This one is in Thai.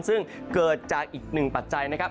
ซึ่งเกิดจากอีกหนึ่งปัจจัยนะครับ